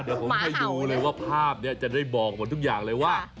เดี๋ยวผมให้ดูเลยว่าภาพนี้จะได้บอกหมดทุกอย่างเลยว่า